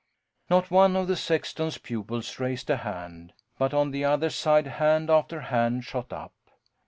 Not one of the sexton's pupils raised a hand, but on the other side hand after hand shot up.